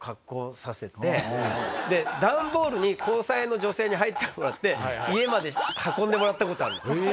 段ボールに交際の女性に入ってもらって家まで運んでもらったことあるんです。